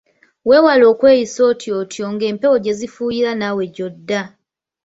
Weewale okweyisa otyo otyo ng'empewo gye zifuuyira naawe gy'odda.